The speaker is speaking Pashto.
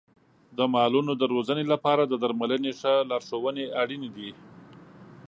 د مالونو د روزنې لپاره د درملنې ښه لارښونې اړین دي.